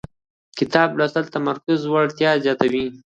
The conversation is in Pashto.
کتاب لوستل د تمرکز وړتیا زیاتوي